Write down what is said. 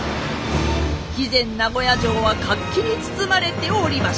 肥前名護屋城は活気に包まれておりました。